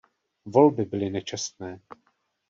Volby byly nečestné.